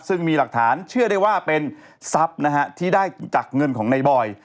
ซึ่งมีหลักฐานเชื่อได้ว่าเป็นทรัพย์นะฮะที่ได้จากเงินของในบอย